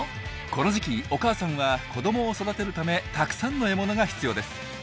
この時期お母さんは子どもを育てるためたくさんの獲物が必要です。